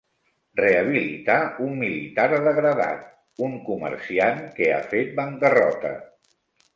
Rehabilitar un militar degradat, un comerciant que ha fet bancarrota.